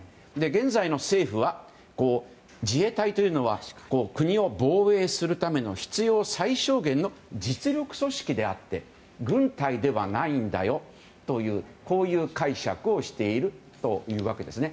現在の政府は自衛隊というのは国を防衛するための必要最小限の実力組織であって軍隊ではないんだよという解釈をしているというわけです。